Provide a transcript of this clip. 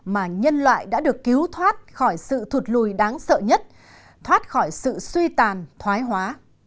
mà nhân loại đã được cứu thoát khỏi sự thụt lùi đáng sợ nhất thoát khỏi sự suy tàn thoái hóa